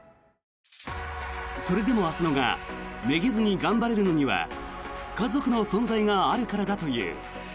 それでも浅野がめげずに頑張れるのには家族の存在があるからだという。